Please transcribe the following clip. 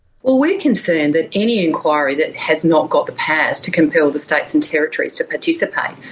kami berpikir bahwa setiap penyelidikan yang tidak memiliki kelebihan untuk memperkuat negara negara untuk berpartisipasi